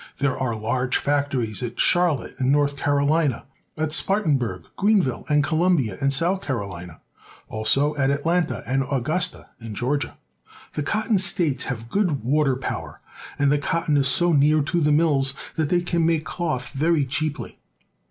There are large factories at Charlotte in North Carolina, at Spartanburg, Greenville, and Columbia in South Carolina, also at Atlanta and Augusta in Georgia. The cotton states have good water power, and the cotton is so near to the mills that they can make cloth very cheaply.